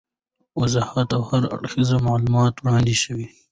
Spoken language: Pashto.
واضح او هر اړخیز معلومات وړاندي سول.